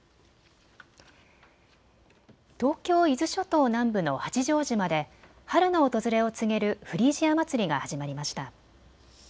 東京伊豆諸島南部の八丈島で春の訪れを告げるフリージアまつりが始まりました。